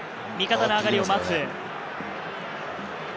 味方の上がりを待つ。